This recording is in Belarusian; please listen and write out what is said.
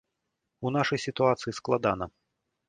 У нашай сітуацыі складана.